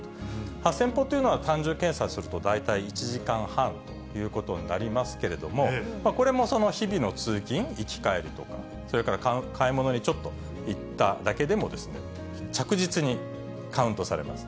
８０００歩というのは、単純計算すると大体１時間半ということになりますけれども、これもその日々の通勤、行き帰りとか、それから買い物にちょっと行っただけでも、着実にカウントされます。